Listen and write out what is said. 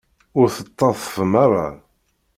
Ur d-tettadfem ara?